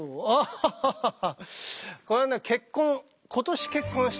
ハハハハ。